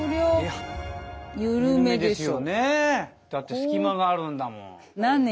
だって隙間があるんだもん。